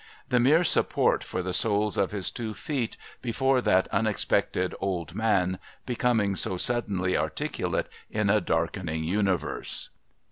The mere support for the soles of his two feet before that unexpected old man becoming so suddenly articulate in a darkening universe."